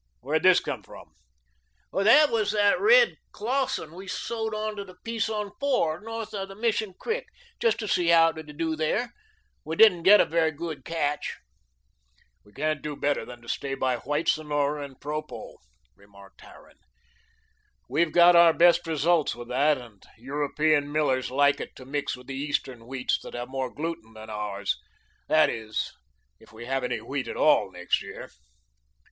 Where did this come from?" "That's that red Clawson we sowed to the piece on Four, north the Mission Creek, just to see how it would do here. We didn't get a very good catch." "We can't do better than to stay by White Sonora and Propo," remarked Harran. "We've got our best results with that, and European millers like it to mix with the Eastern wheats that have more gluten than ours. That is, if we have any wheat at all next year."